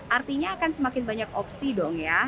artinya akan semakin banyak opsi dong ya